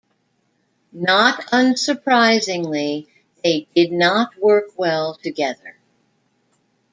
Not unsurprisingly, they did not work well together.